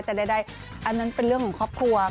แต่ใดอันนั้นเป็นเรื่องของครอบครัว